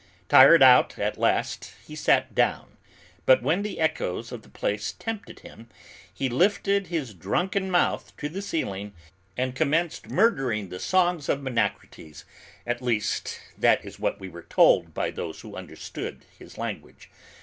Tired out at last, he sat down, but when the echoes of the place tempted him, he lifted his drunken mouth to the ceiling, and commenced murdering the songs of Menacrates, at least that is what we were told by those who understood his language.